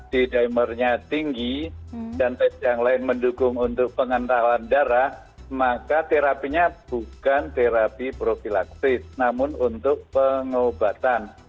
d dimernya tinggi dan tes yang lain mendukung untuk pengentalan darah maka terapinya bukan terapi profilaksis namun untuk pengobatan